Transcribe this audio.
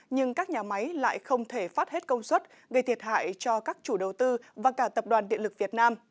nhưng các nhà máy lại không thể phát hết công suất gây thiệt hại cho các chủ đầu tư và cả tập đoàn điện lực việt nam